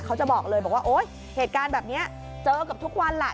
เขาจะบอกเลยบอกว่าโอ๊ยเหตุการณ์แบบนี้เจอกับทุกวันแหละ